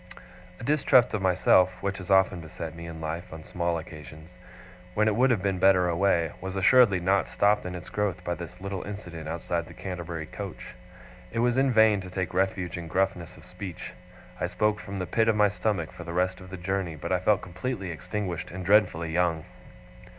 A distrust of myself, which has often beset me in life on small occasions, when it would have been better away, was assuredly not stopped in its growth by this little incident outside the Canterbury coach. It was in vain to take refuge in gruffness of speech. I spoke from the pit of my stomach for the rest of the journey, but I felt completely extinguished, and dreadfully young.